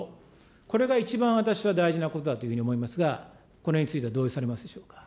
これが一番、私は大事なことだというふうに思いますが、このへんについては同意されますでしょうか。